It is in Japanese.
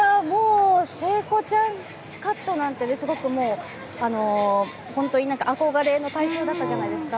聖子ちゃんカットなんて本当に憧れの対象だったじゃないですか。